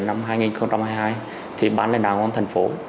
năm hai nghìn hai mươi hai thì ban lãnh đạo của thành phố